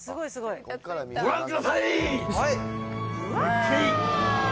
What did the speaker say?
ご覧ください！